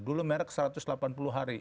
dulu merek satu ratus delapan puluh hari